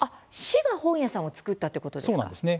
市が本屋さんを作ったということですか。